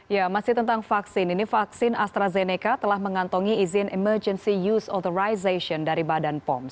ya masih tentang vaksin ini vaksin astrazeneca telah mengantongi izin emergency use authorization dari badan pom